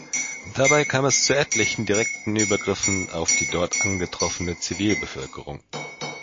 Dabei kam es zu etlichen direkten Übergriffen auf die dort angetroffene Zivilbevölkerung.